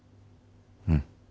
うん。